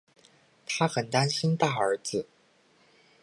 她很担心大儿子